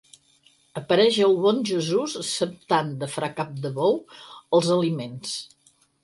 Apareix el bon Jesús acceptant de fra Capdebou els aliments.